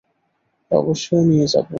অবশ্যই নিয়ে যাব।